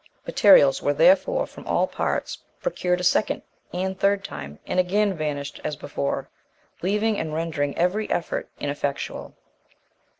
Materials were, therefore, from all parts, procured a second and third time, and again vanished as before, leaving and rendering every effort ineffectual.